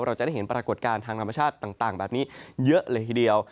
เราจะได้เห็นปรากฏการณ์ทางธรรมชาติต่างแบบนี้เยอะเลยทีเดียว